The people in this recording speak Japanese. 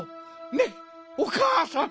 ねっおかあさん！